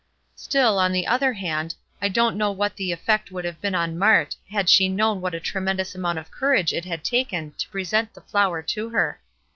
Still, on the other hand, I don't know what the effect would have been on Mart had she known what a tremendous amount of courage it had taken to present the flower to her.